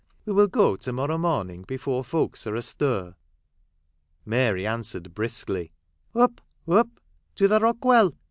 We will go to morrow morning before folks are astir." Mary answered briskly, " Up, up ! To the Rock Well